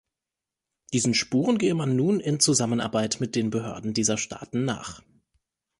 Diesen Spuren gehe man nun in Zusammenarbeit mit den Behörden dieser Staaten nach.